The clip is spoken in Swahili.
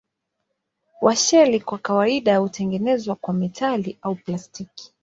Washeli kwa kawaida hutengenezwa kwa metali au plastiki.